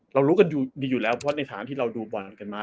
รู้กันอยู่ดีอยู่แล้วเพราะในฐานที่เราดูบอลกันมา